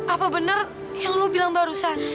apa benar yang lu bilang barusan